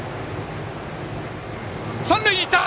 三塁に行った！